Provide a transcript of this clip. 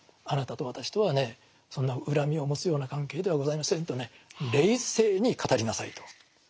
あなたと私とはねそんな恨みを持つような関係ではございませんとね冷静に語りなさいと。